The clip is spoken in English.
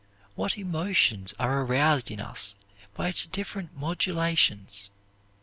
What emotions are aroused in us by its different modulations!